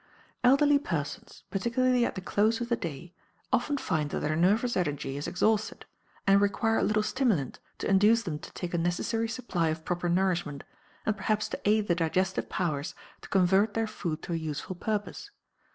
Elderly persons, particularly at the close of the day, often find that their nervous energy is exhausted, and require a little stimulant to induce them to take a necessary supply of proper nourishment, and perhaps to aid the digestive powers to convert their food to a useful purpose.